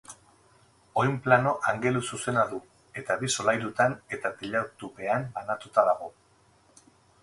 Oinplano angeluzuzena du eta bi solairutan eta teilatupean banatuta dago.